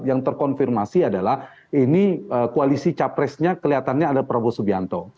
yang terkonfirmasi adalah ini koalisi capresnya kelihatannya ada prabowo subianto